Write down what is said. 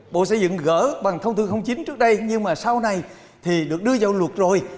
bộ xây dựng gỡ bằng thông tư chín trước đây nhưng mà sau này thì được đưa vào luật rồi